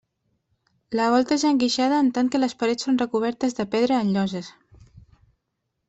La volta és enguixada en tant que les parets són recobertes de pedra en lloses.